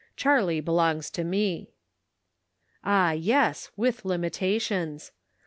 Charlie belongs to me." Ah, yes, with limitations.